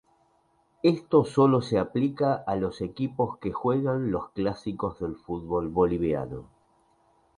Esto solo se aplica a los equipos que juegan los clásicos del fútbol boliviano.